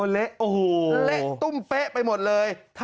เละตุ้มเป๊ะไปหมดเลย